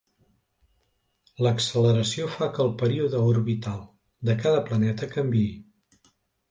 L'acceleració fa que el període orbital de cada planeta canviï.